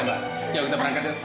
yuk kita perangkat yuk